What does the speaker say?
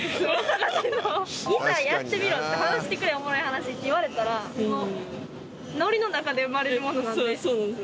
話してくれおもろい話」って言われたらノリの中で生まれるものなので。